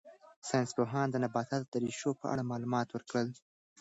ساینس پوهانو د نباتاتو د ریښو په اړه معلومات ورکړل.